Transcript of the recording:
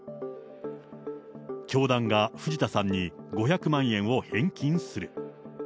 教団が藤田さんに５００万円を返金する。